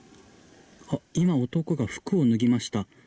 今、男が服を脱ぎました。